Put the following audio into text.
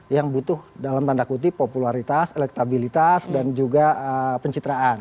yang butuh dalam tanda kutip popularitas elektabilitas dan juga pencitraan